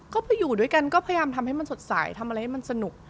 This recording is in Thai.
ก็ไปอยู่ด้วยกันก็พยายามทำให้มันสดใสทำอะไรให้มันสนุก